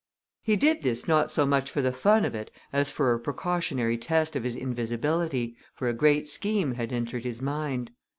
He did this not so much for the fun of it as for a precautionary test of his invisibility, for a great scheme had entered his mind.